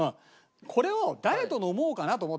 これを誰と飲もうかなと思って。